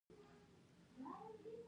ټپه د پښتو د احساساتو ژبه ده.